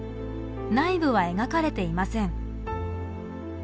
内部は描かれていません。